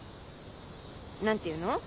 何ていうの？